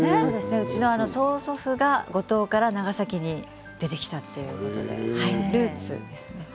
うちの曽祖父が五島から長崎に出てきたのでルーツです。